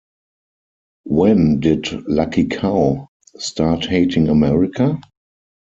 When did Lucky Cow start hating America?!